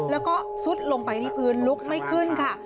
แล้วก็ซุดลงไปที่พื้นลุกไม่ขึ้นค่ะ